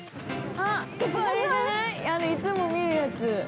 ◆あの、いつも見るやつ。